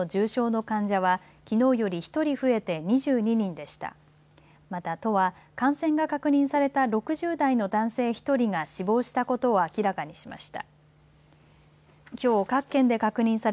また、都は感染が確認された６０代の男性１人が死亡したことを明らかにしました。